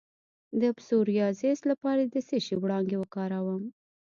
د پسوریازیس لپاره د څه شي وړانګې وکاروم؟